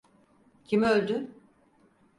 Kim öldü?